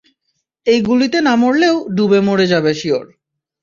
এই গুলিতে না মরলেও ডুবে মরে যাবে শিওর!